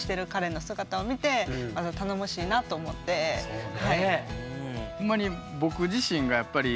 そうね！